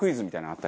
あっ！